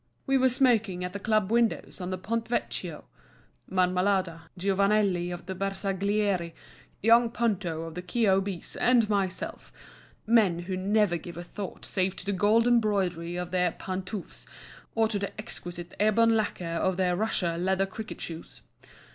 We were smoking at the club windows on the Ponte Vecchio; Marmalada, Giovanelli of the Bersaglieri, young Ponto of the K.O.B.'s, and myself—men who never give a thought save to the gold embroidery of their pantoufles or the exquisite ebon laquer of their Russia leather cricket shoes.